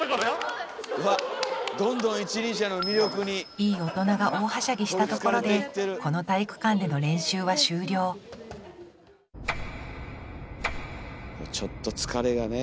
いい大人が大はしゃぎしたところでこの体育館での練習は終了ちょっと疲れがね。